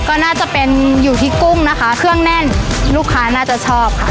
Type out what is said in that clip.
ก็น่าจะเป็นอยู่ที่กุ้งนะคะเครื่องแน่นลูกค้าน่าจะชอบค่ะ